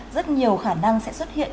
rất nhiều khả năng sẽ xuất hiện